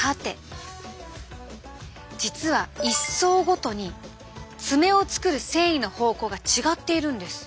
実は一層ごとに爪を作る繊維の方向が違っているんです。